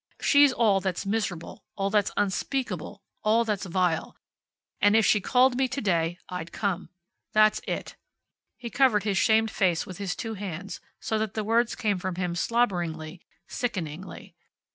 She's all that's miserable, all that's unspeakable, all that's vile. And if she called me to day I'd come. That's it." He covered his shamed face with his two hands, so that the words came from him slobberingly, sickeningly.